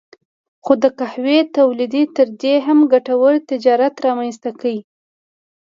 خو د قهوې تولید تر دې هم ګټور تجارت رامنځته کړ.